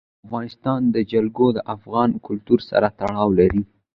د افغانستان جلکو د افغان کلتور سره تړاو لري.